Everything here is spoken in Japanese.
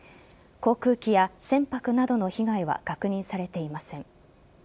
航空機や船舶などの被害は確認されていません。